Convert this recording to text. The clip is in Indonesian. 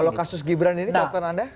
kalau kasus gibran ini catatan anda